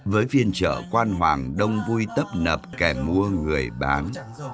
với phiên chợ quan hoàng đông vui tấp nập kẻ mua người bán